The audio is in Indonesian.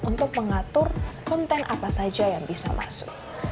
untuk mengatur konten apa saja yang bisa masuk